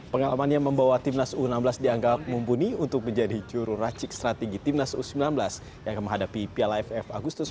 pengalaman yang membawa tim nas u enam belas dianggap mumpuni untuk menjadi jururacik strategi tim nas u sembilan belas yang menghadapi piala iff agustus